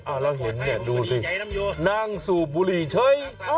แล้วเห็นเนี่ยดูสินั่งสูบบุหรี่เฉย